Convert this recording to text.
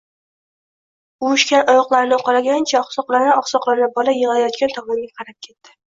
Uvishgan oyoqlarini uqalagancha oqsoqlana-oqsoqlana bola yig‘layotgan tomonga qarab ketdi.